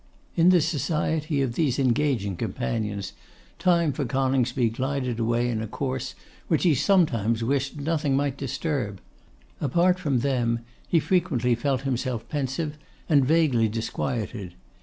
In the society of these engaging companions, time for Coningsby glided away in a course which he sometimes wished nothing might disturb. Apart from them, he frequently felt himself pensive and vaguely disquieted.